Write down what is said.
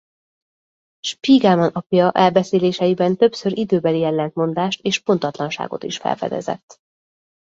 Spiegelman apja elbeszéléseiben többször időbeli ellentmondást és pontatlanságot is felfedezett.